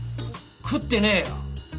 食ってねえよ。